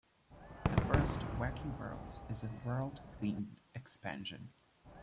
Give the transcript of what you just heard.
The first, "Wacky Worlds", is a world-themed expansion.